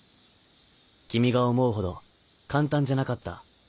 君が思うほど簡単じゃなかった